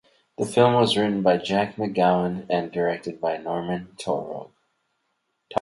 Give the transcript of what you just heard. The film was written by Jack McGowan and directed by Norman Taurog.